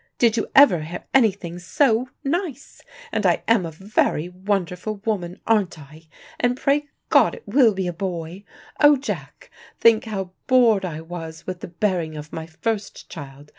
Did you ever hear anything so nice, and I am a very wonderful woman, aren't I, and pray God it will be a boy! Oh, Jack, think how bored I was with the bearing of my first child.